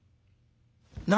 「何！？